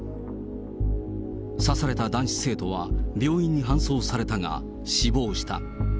刺された男子生徒は病院に搬送されたが死亡した。